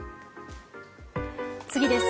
次です。